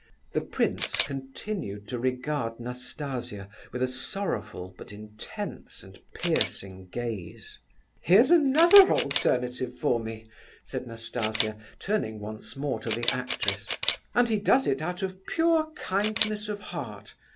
The prince continued to regard Nastasia with a sorrowful, but intent and piercing, gaze. "Here's another alternative for me," said Nastasia, turning once more to the actress; "and he does it out of pure kindness of heart.